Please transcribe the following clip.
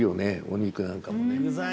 お肉なんかもね。